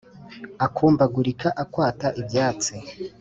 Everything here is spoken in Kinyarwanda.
akumbagurika akwata ibyatsi